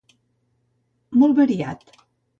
Molt variat.